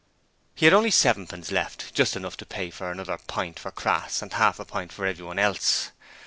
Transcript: He had only sevenpence left, just enough to pay for another pint for Crass and half a pint for everyone else.